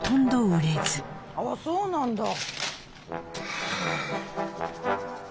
ああそうなんだ。